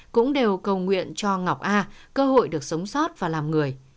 cũng đều cầu nguyện cho ngọc a cơ hội được sống sót và làm người